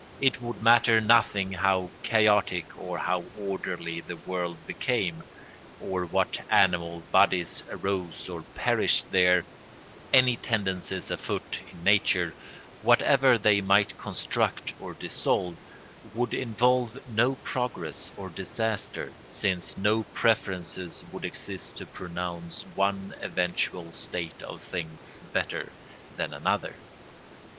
It would matter nothing how chaotic or how orderly the world became, or what animal bodies arose or perished there; any tendencies afoot in nature, whatever they might construct or dissolve, would involve no progress or disaster, since no preferences would exist to pronounce one eventual state of things better than another.